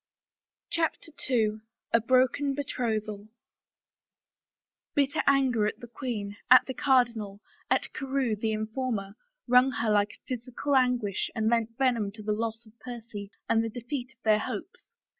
CHAPTER II A BROKEN BETROTHAL ©ITTER anger at the queen, at the cardinal, at Carewe, the informer, wrung her like a physical anguish and lent venom to the loss of Percy and the defeat of their hopes.